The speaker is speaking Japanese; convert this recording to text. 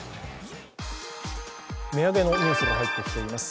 値上げのニュースが入ってきています。